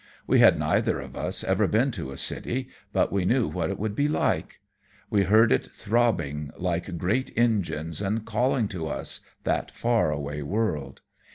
We had neither of us ever been to a city, but we knew what it would be like. We heard it throbbing like great engines, and calling to us, that far away world.